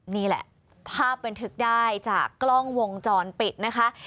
นี่แหละภาพบันทึกได้จากกล้องวงจรปิดนะคะ